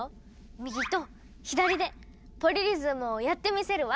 右と左でポリリズムをやってみせるわ。